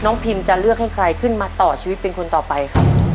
พิมจะเลือกให้ใครขึ้นมาต่อชีวิตเป็นคนต่อไปครับ